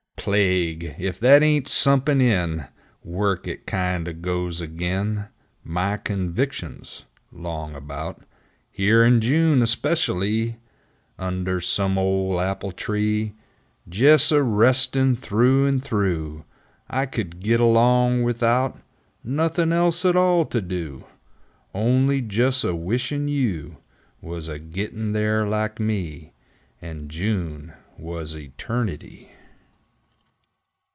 6 Plague! Ef they ain't somepin' in Work 'at kindo' goes ag'in' My convictions ! 'Long about Here in June especially ! Under some old apple tree, Jes' a restin' through and through, I could git along without Nothin' else at all to do Only jes' a wishin' you Wuz a gittin' there like me, And June was eternity!